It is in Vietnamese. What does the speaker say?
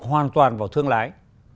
hoàn toàn vào thương lái